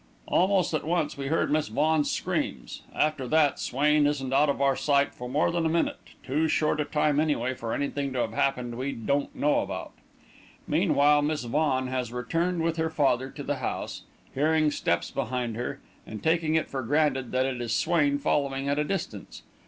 "Almost at once we heard Miss Vaughan's screams. After that, Swain isn't out of our sight for more than a minute too short a time, anyway, for anything to have happened we don't know about. "Meanwhile, Miss Vaughan has returned with her father to the house, hearing steps behind her and taking it for granted that it is Swain following at a distance.